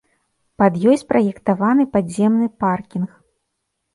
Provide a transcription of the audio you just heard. Пад ёй спраектаваны падземны паркінг.